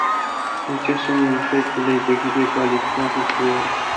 Il tire son nom du fait qu'il a été occupé par les Francs ripuaires.